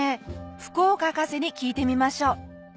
福岡博士に聞いてみましょう。